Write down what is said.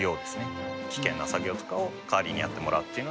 危険な作業とかを代わりにやってもらうっていうのが。